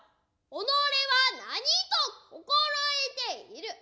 己は何と心得ている。